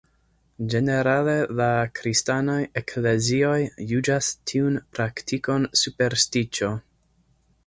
Ĝenerale la kristanaj eklezioj juĝas tiun praktikon superstiĉo.